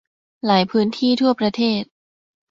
หลายพื้นที่ทั่วประเทศ